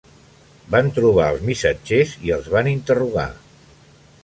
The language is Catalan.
Van trobar els missatgers i els van interrogar.